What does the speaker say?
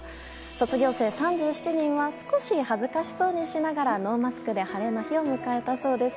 卒業生３７人は少し恥ずかしそうにしながらノーマスクで晴れの日を迎えたそうです。